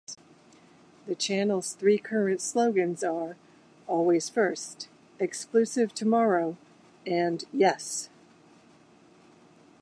The channel's three current slogans are "Always First", "Exclusive Tomorrow" and "Yes!